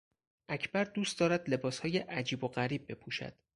اکبر دوست دارد لباسهای عجیب و غریب بپوشد.